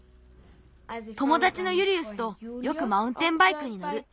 ともだちのユリウスとよくマウンテンバイクにのる。